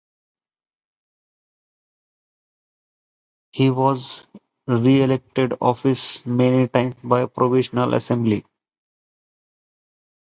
He was re-elected to the office many times by the Provisional Assembly.